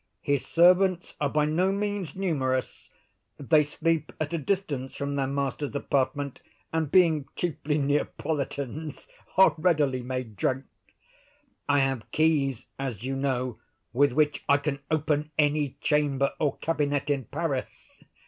His servants are by no means numerous. They sleep at a distance from their master's apartment, and, being chiefly Neapolitans, are readily made drunk. I have keys, as you know, with which I can open any chamber or cabinet in Paris.